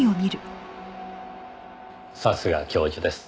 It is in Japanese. さすが教授です。